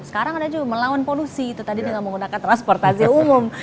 sekarang anda juga melawan polusi itu tadi dengan menggunakan transportasi umum